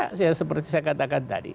ya saya kira seperti saya katakan tadi